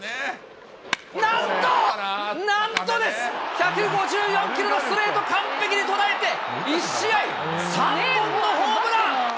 なんと、なんとです、１５４キロのストレート、完璧に捉えて、１試合３本のホームラン。